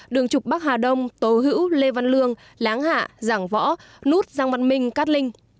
đường trục bắc hà đông tổ hữu lê văn lương láng hạ giảng võ nút giang văn minh cát linh